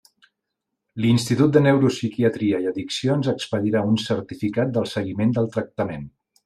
L'Institut de Neuropsiquiatria i Addiccions expedirà un certificat del seguiment del tractament.